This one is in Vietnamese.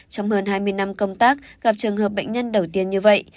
trong hơn hai mươi năm công tác gặp trường hợp bệnh nhân đầu tiên như vậy